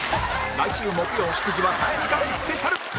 来週木曜７時は３時間スペシャル